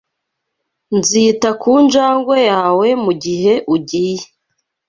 Nzita ku njangwe yawe mugihe ugiye